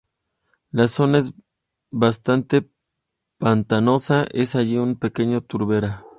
La zona es bastante pantanosa, es allí una pequeña turbera.